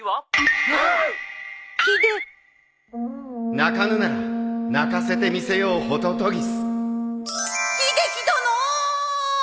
鳴かぬなら鳴かせてみせようホトトギス秀樹殿ーっ！！